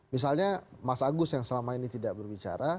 misalnya mas agus yang selama ini tidak berbicara